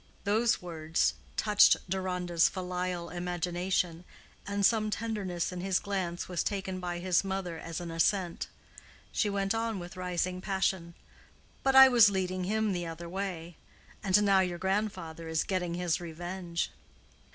Those words touched Deronda's filial imagination, and some tenderness in his glance was taken by his mother as an assent. She went on with rising passion: "But I was leading him the other way. And now your grandfather is getting his revenge."